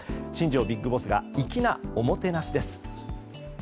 新庄ビッグボスが粋なおもてなしです。